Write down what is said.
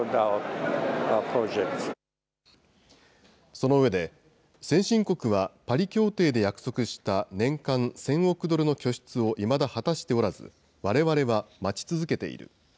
その上で、先進国はパリ協定で約束した年間１０００億ドルの拠出をいまだ果たしておらず、われわれは待ち続けている。